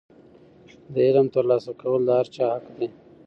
د علم ترلاسه کول د هر چا حق دی.